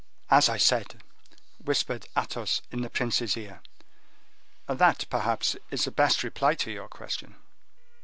"As I said," whispered Athos in the prince's ear; "that, perhaps, is the best reply to your question."